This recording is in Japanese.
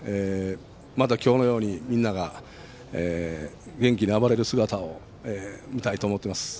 また今日のようにみんなが元気に暴れる姿を見たいと思っています。